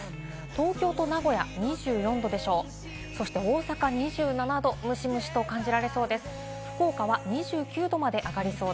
東京と名古屋は２４度でしょう。